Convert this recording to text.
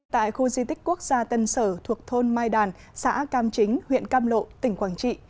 tại khu di tích quốc gia tân sở thuộc thôn mai đàn xã cam chính huyện cam lộ tỉnh quảng trị